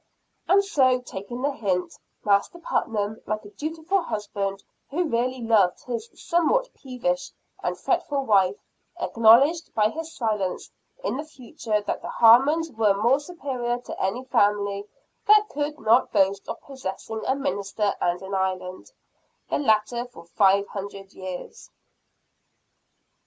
And so, taking the hint, Master Putnam, like a dutiful husband, who really loved his somewhat peevish and fretful wife, acknowledged by his silence in the future that the Harmons were much superior to any family that could not boast of possessing a minister and an island; the latter for five hundred years!